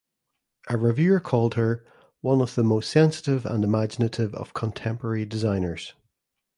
A reviewer called her "one of the most sensitive and imaginative of contemporary designers".